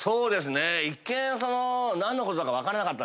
一見何のことだか分かんなかったんです